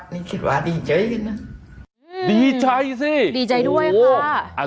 นี่คิดว่าดีใจจริงนะดีใจสิดีใจด้วยค่ะ